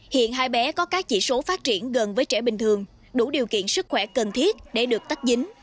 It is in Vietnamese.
hiện hai bé có các chỉ số phát triển gần với trẻ bình thường đủ điều kiện sức khỏe cần thiết để được tách dính